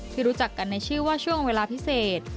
รู้จักกันในชื่อว่าช่วงเวลาพิเศษ